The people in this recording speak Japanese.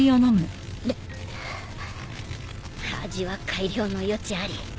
味は改良の余地あり。